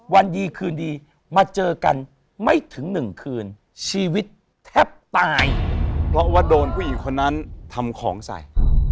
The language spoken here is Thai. วันดีคืนดีมาเจอกันไม่ถึงหนึ่งคืนชีวิตแทบตายเพราะว่าโดนผู้หญิงคนนั้นทำของใส่